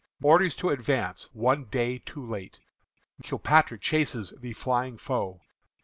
Orders to Advance, One Day Too Late. Kilpatrick Chases the Flying Foe.